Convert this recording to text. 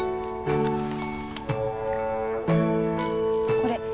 これ。